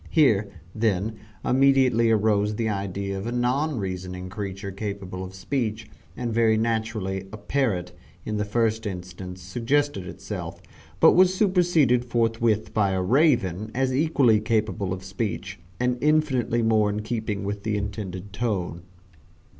Here, then, immediately arose the idea of a non reasoning creature capable of speech, and very naturally, a parrot, in the first instance, suggested itself, but was superseded forthwith by a Raven as equally capable of speech, and infinitely more in keeping with the intended tone.